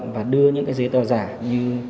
và đưa những cái giấy tờ giả như